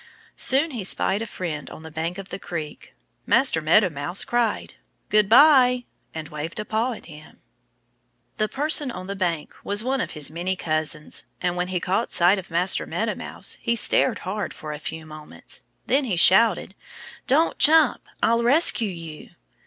Soon he spied a friend on the bank of the creek. Master Meadow Mouse cried, "Good by!" and waved a paw at him. The person on the bank was one of his many cousins. And when he caught sight of Master Meadow Mouse he stared hard for a few moments. Then he shouted, "Don't jump! I'll rescue you."